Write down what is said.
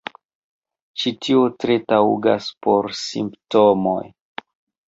Ĉi tio tre taŭgas por Simptomoj.